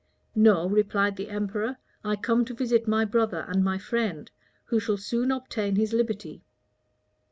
"No," replied the emperor, "I come to visit my brother and my friend, who shall soon obtain his liberty."